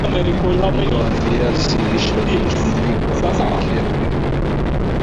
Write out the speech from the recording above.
unga wa viazi lishe utatumiak kupikia keki